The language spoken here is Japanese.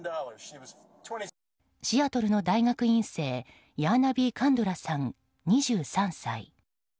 シアトルの大学院生ヤーナヴィ・カンドゥラさん２３歳。